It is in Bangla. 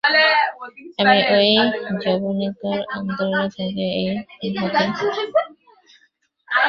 আমি ঐ যবনিকার অন্তরালে থাকিয়া এই মহতী জনতাকে দেখিতেছি।